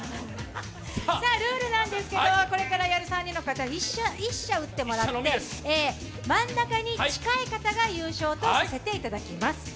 ルールなんですけどこれからやる３人の方１射打ってもらって、真ん中に近い方が優勝とさせていただきます。